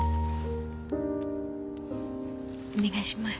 お願いします。